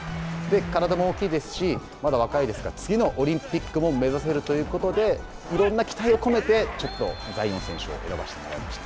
体も大きいですし、まだ若いですから次のオリンピックも目指せるということで、いろんな期待を込めてちょっと彩艶選手を選ばせてもらいました。